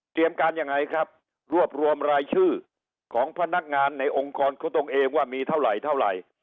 การยังไงครับรวบรวมรายชื่อของพนักงานในองค์กรเขาตรงเองว่ามีเท่าไหร่เท่าไหร่